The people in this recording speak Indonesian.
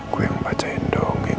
gue yang bacain dongeng